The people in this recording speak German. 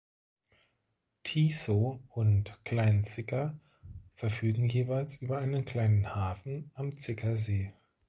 Thiessow und Klein Zicker verfügen jeweils über einen kleinen Hafen am Zicker See.